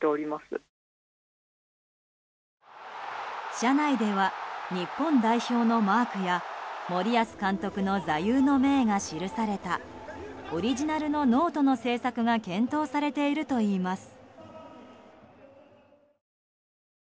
社内では日本代表のマークや森保監督の座右の銘が記されたオリジナルのノートの製作が検討されているといいます。